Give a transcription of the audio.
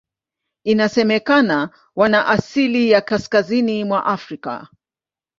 Inasemekana wana asili ya Kaskazini mwa Afrika.